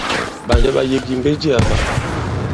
Ɓànjɛ ɓa yek àyì mbe i jiā fa?